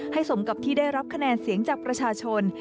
สมกับที่ได้รับคะแนนเสียงจากประชาชน